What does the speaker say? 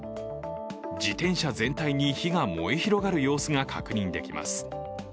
自転車全体に火が燃え広がる様子が確認できます。